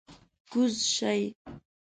کوز شئ!